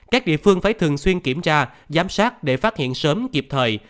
các địa phương phải thường xuyên kiểm tra giám sát để phát hiện sớm kịp thời